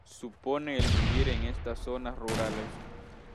supone el vivir en estas zonas rurales.